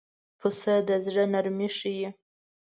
پسه د زړه نرمي ښيي.